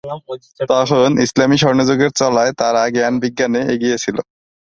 তখন ইসলামী স্বর্ণযুগের চলায় তারা জ্ঞান-বিজ্ঞানে এগিয়ে ছিল।